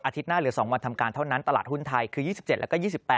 หน้าเหลือ๒วันทำการเท่านั้นตลาดหุ้นไทยคือ๒๗แล้วก็๒๘